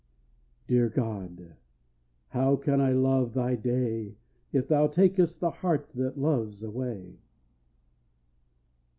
Dear God! how can I love thy day If thou takest the heart that loves away!